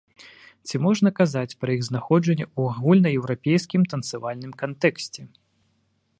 Ці можна казаць пра іх знаходжанне ў агульнаеўрапейскім танцавальным кантэксце?